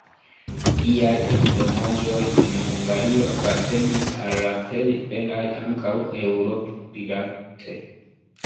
Liaj eldonaĵoj en Hungario apartenis al la plej belaj ankaŭ Eŭropo-rilate.